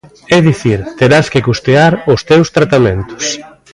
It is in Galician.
É dicir, terás que custear os teus tratamentos.